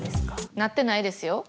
なってないですよ。